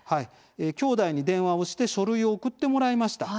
きょうだいに電話をして書類を送ってもらいました。